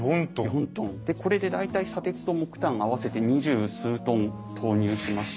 これで大体砂鉄と木炭を合わせて２０数トン投入しまして。